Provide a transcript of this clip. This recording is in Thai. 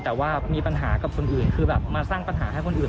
แต่ว่ามีปัญหากับคนอื่นคือแบบมาสร้างปัญหาให้คนอื่น